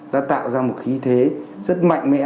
đã tạo ra một khí thế rất mạnh mẽ